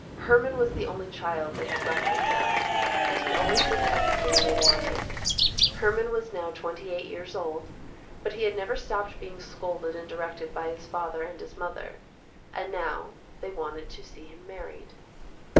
Herman was the only child they had left with them, and he always did everything they wanted. Herman was now twenty eight years old, but he had never stopped being scolded and directed by his father and his mother. And now they wanted to see him married.